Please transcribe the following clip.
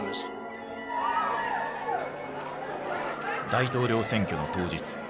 大統領選挙の当日。